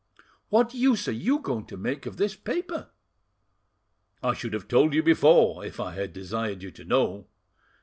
"What use are you going to make of this paper?" "I should have told you before, if I had desired you to know.